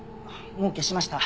もう消しました。